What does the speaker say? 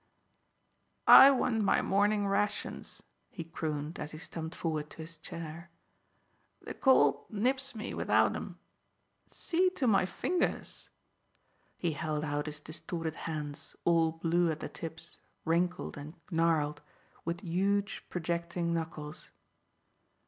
"I want my morning rations," he crooned, as he stumped forward to his chair. "The cold nips me without 'em. See to my fingers!" He held out his distorted hands, all blue at the tips, wrinkled and gnarled, with huge, projecting knuckles.